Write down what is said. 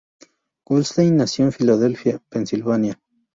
Goldstein nació en Filadelfia, Pennsylvania.